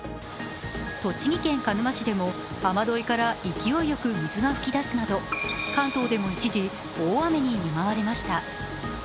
栃木県鹿沼市でも雨どいから勢いよく水が噴き出すなど関東でも一時、大雨に見舞われました。